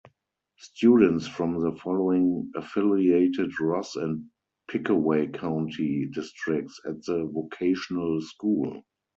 Students from the following affiliated Ross and Pickaway county districts at the vocational school.